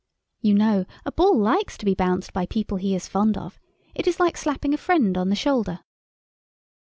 You know, a Ball likes to be bounced by people he is fond of—it is like slapping a friend on the shoulder.